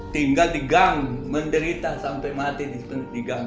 tinggal digang menderita sampai mati di gang